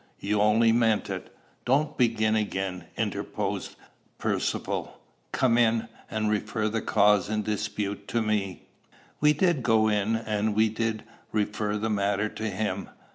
"You only meant it." "Don't begin again," interposed Percivale: "Come in, and refer the cause in dispute to me." We did go in, and we did refer the matter to him.